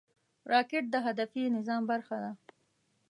راکټ د هدفي نظام برخه ده